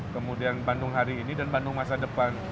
kemudian bandung hari ini dan bandung masa depan